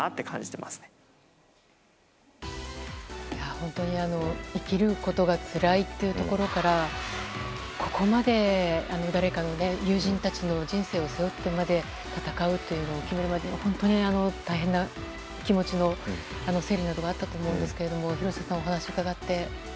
本当に、生きることがつらいというところからここまで誰かの友人たちの人生を背負ってまで戦うというのを決めるまで本当に大変な気持ちの整理などがあったと思うんですけども廣瀬さんはお話を伺って。